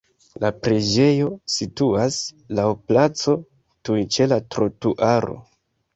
La preĝejo situas laŭ placo tuj ĉe la trotuaro.